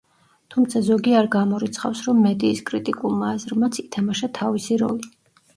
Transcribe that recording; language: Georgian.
თუმცა ზოგი არ გამორიცხავს რომ მედიის კრიტიკულმა აზრმაც ითამაშა თავისი როლი.